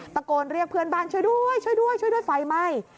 ตะโกนเรียกเพื่อนบ้านช่วยด้วยไฟไหม้